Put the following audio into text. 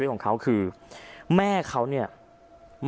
พระเจ้าอาวาสกันหน่อยนะครับ